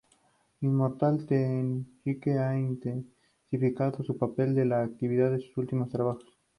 Immortal Technique ha intensificado su papel de activista en sus últimos trabajos.